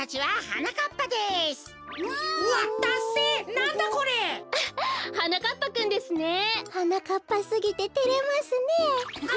はなかっぱすぎててれますねえ。